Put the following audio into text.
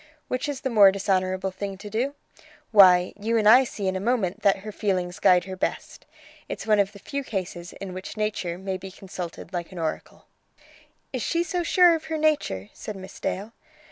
Which is the more dishonourable thing to do? Why, you and I see in a moment that her feelings guide her best. It's one of the few cases in which nature may be consulted like an oracle." "Is she so sure of her nature?" said Miss Dale.